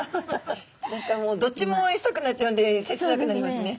何かもうどっちもおうえんしたくなっちゃうんで切なくなりますね。